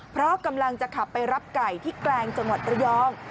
เพราะกำลังจะขับไปรับไก่ที่แกลงจังหวัดระยอง